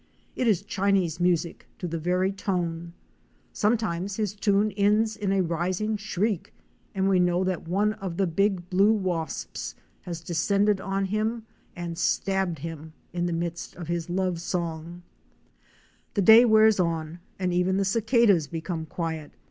It is Chinese music to the very tone. Some times his tune ends in a rising shriek, and we know that one of the big blue wasps has descended on him and stabbed him in the midst of his love song. Fic. 11. SUN BITTERN. The day wears on, and even the cicadas become quiet.